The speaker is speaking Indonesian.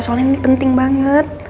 soalnya ini penting banget